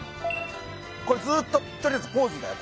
これずっととりあえずポーズだよ